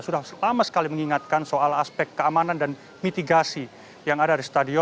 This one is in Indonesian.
sudah lama sekali mengingatkan soal aspek keamanan dan mitigasi yang ada di stadion